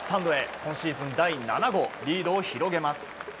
今シーズン第７号リードを広げます。